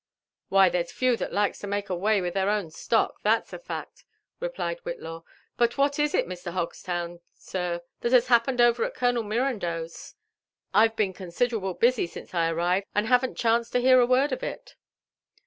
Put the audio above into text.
"Why, there's few that likes to make away with their own stock, that*s a fact," replied Whitlaw. '* But what is it, Mr. Hogstown, sir, (hat has happened over at Colonel Mirandeau's? I've been consi derable busy since I arrived, and haven't chanced to hear a word of it."